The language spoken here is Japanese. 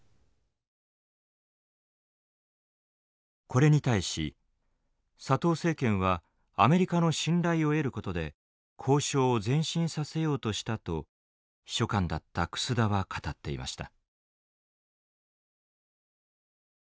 これに対し佐藤政権はアメリカの信頼を得ることで交渉を前進させようとしたと秘書官だった楠田は語っていました。